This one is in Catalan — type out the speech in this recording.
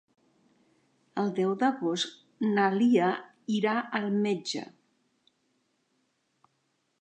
El deu d'agost na Lia irà al metge.